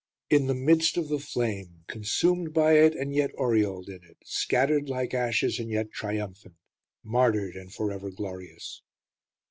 In the midst of the flame, consumed by it and yet aureoled in it, scattered like ashes and yet triumphant, martyred and for ever glorious.